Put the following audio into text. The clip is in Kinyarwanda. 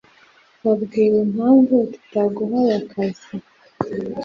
Wabwiwe impamvu tutaguhaye akazi